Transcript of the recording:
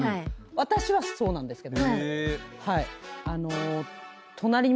私はそうなんですけど。